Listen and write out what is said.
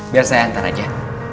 biar saya hantar aja